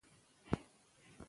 هغه په کتابونو تکیه کوي.